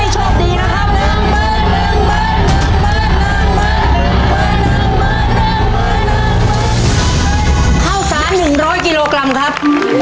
เท่าค้า๑๐๐กิโลกรัมครับ